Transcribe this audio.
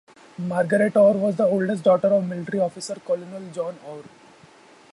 Margaret Orr was the oldest daughter of military officer Colonel John Orr.